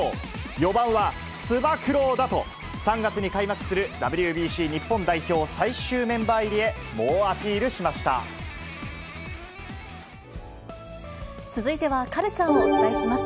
４番はつば九郎だと３月に開幕するＷＢＣ日本代表最終メンバー入続いては、カルチャーをお伝えします。